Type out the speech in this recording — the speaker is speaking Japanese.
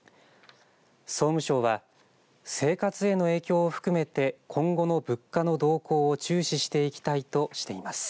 総務省は生活への影響を含めて今後の物価の動向を注視していきたいとしています。